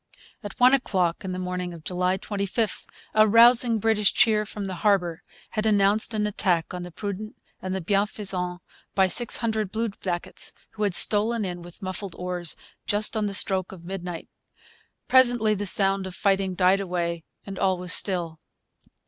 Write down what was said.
At one o'clock in the morning of July 25 a rousing British cheer from the harbour had announced an attack on the Prudent and the Bienfaisant by six hundred bluejackets, who had stolen in, with muffled oars, just on the stroke of midnight. Presently the sound of fighting died away, and all was still.